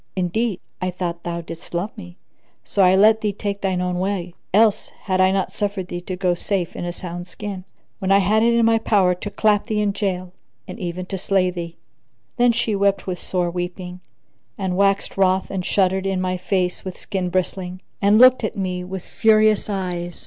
Indeed, I thought thou didst love me, so I let thee take thine own way; else had I not suffered thee to go safe in a sound skin, when I had it in my power to clap thee in jail and even to slay thee." Then she wept with sore weeping and waxed wroth and shuddered in my face with skin bristling[FN#1] and looked at me with furious eyes.